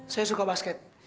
saya suka basket